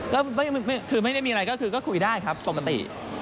ก็คือไม่ได้มีอะไรก็คือก็คุยได้ครับปกติ